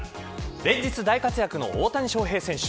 連日、大活躍の大谷翔平選手。